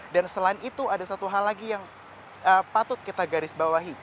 dan selain itu ada satu hal lagi yang patut kita garis bawahi